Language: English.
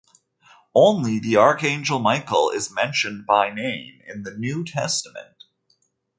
Only the Archangel Michael is mentioned by name in the New Testament.